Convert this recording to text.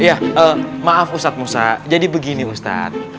iya eh maaf ustadz musa jadi begini ustadz